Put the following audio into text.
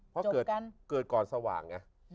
เพราะเกิดก่อนสว่างไง